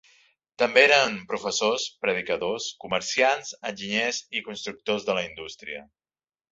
També eren professors, predicadors, comerciants, enginyers i constructors de la indústria.